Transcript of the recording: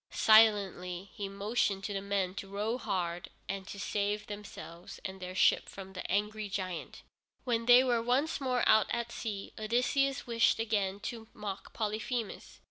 Silently he motioned to the men to row hard, and save themselves and their ship from the angry giant. When they were once more out at sea, Odysseus wished again to mock Polyphemus.